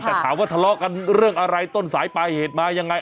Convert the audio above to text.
แต่ถามว่าทะเลาะกันเรื่องอะไรต้นสายปลายเหตุมายังไง